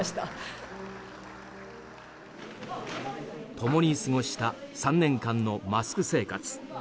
共に過ごした３年間のマスク生活。